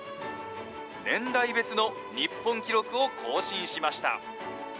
年代別の日本記録を更新しました。